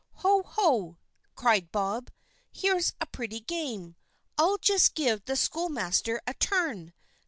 "Ho! ho!" cried Bob, "here's a pretty game; I'll just give the schoolmaster a turn.